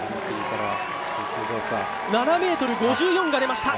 ７ｍ５４が出ました、